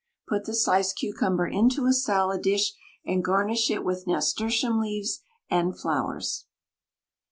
Put the sliced cucumber into a salad dish, and garnish it with nasturtium leaves and flowers.